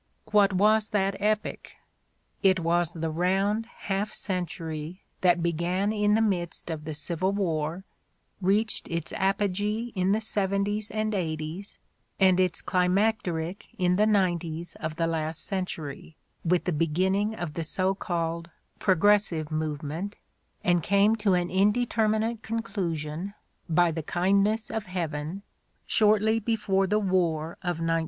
"What was that epoch ? It was the round half century that began in the midst of the Civil "War, reached its apogee in the seventies and eighties and its climacteric in the nineties of the last century, with the beginning of the so called "Progressive Movement," and came to an indeterminate conclusion, by the kindness of heaven, shortly before the war of 1914.